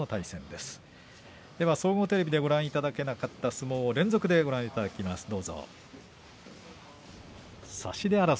総合テレビでご覧いただけなかった相撲を連続でご覧いただきます。